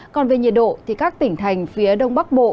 còn về nhiệt độ thì các tỉnh thành phía đông bắc bộ